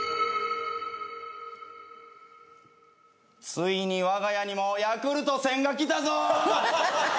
ついにわが家にもＹａｋｕｌｔ１０００が来たぞ！